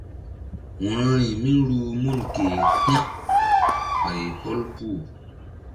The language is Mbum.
Wo̧rori míruh mun ke hȩk ɓay hɔl puh.